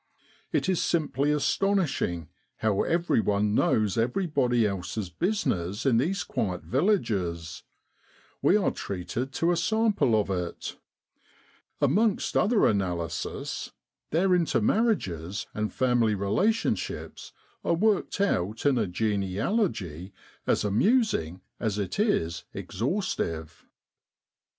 It is simply astonishing how everyone knows everybody else's business in these quiet villages we are treated to a sample of it ; amongst other analyses, their intermarriages and family relationships are worked out in a genealogy as amusing as it is ex haustive.